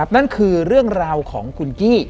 นั่นคือเรื่องราวของคุณกี้